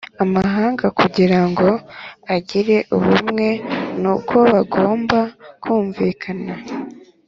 amahanga kugira ngo agire ubumwe nuko bagomba kumvikana